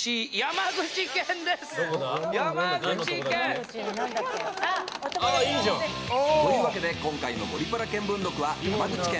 山口県です！というわけで、今回の「ゴリパラ見聞録」は山口県。